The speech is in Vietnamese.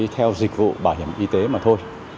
theo dịch vụ bảo hiểm y tế mà thôi